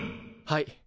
はい。